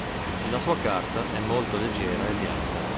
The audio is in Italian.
La sua carta è molto leggera e bianca.